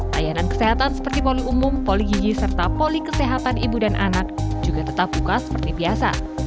layanan kesehatan seperti poli umum poli gigi serta poli kesehatan ibu dan anak juga tetap buka seperti biasa